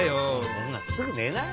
そんなすぐねないよ。